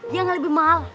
yang lebih mahal